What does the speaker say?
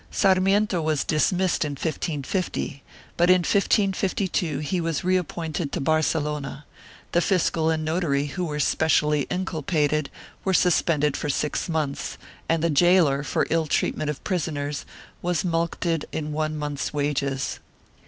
Sarmiento was dismissed in 1550, but in 1552 he was reappointed to Barcelona; the fiscal and notary, who were specially inculpated, were suspended for six months and the gaoler, for ill treatment of prisoners, was mulcted in one month's wages.